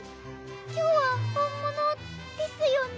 今日は本物ですよね？